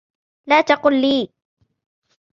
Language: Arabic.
لا تقل لي.